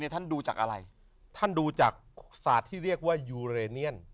ท่านดูจากอะไรท่านดูจากศาสตร์ที่เรียกว่ายูเรเนียน